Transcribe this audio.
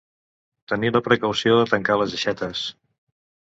Tenir la precaució de tancar les aixetes.